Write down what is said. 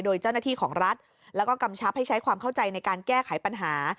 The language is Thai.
โดยเจ้าหน้าที่ของรัฐแล้วก็กำชับให้ใช้ความเข้าใจในการแก้ไขปัญหา